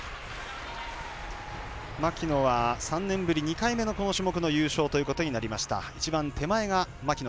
牧野は３年ぶり２回目のこの種目の優勝ということになりました。